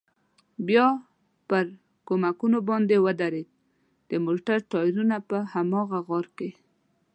بیا پر کومکونو باندې ودرېد، د موټر ټایرونه په هماغه غار کې.